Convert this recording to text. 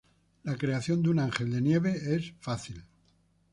La creación de un ángel de nieve es fácil.